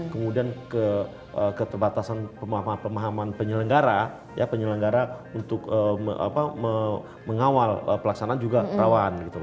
kemudian keterbatasan pemahaman penyelenggara untuk mengawal pelaksanaan juga rawan